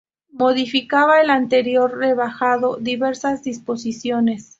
Modificaba el anterior, rebajando diversas disposiciones.